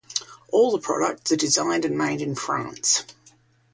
All the products are designed and made in France.